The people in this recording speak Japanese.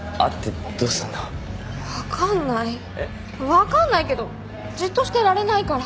分かんないけどじっとしてられないから。